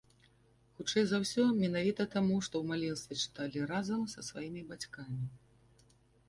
Хутчэй за ўсё, менавіта таму, што ў маленстве чыталі разам са сваімі бацькамі.